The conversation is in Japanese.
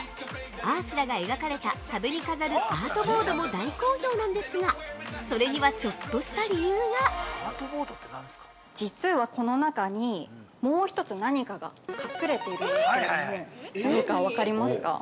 アースラが描かれた壁に飾るアートボードも大好評なんですがそれにはちょっとした理由が◆実はこの中に、もう一つ何かが隠れていくんですけれども何か分かりますか。